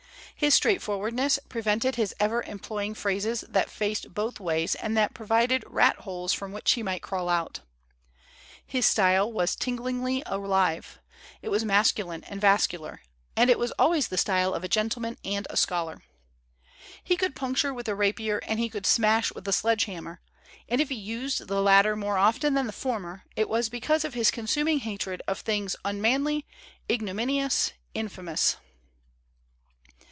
His straightfor wardness prevented his ever employing phrases that faced both ways and that provided rat holes from which he might crawl out. His style was tinglingly alive; it was masculine and vascu lar; and it was always the style of a gentleman and a scholar. He could puncture with a rapier and he could smash with a sledge hammer; and if he used the latter more often than the former it was because of his consuming hatred of things " unmanly, ignominious, infamous."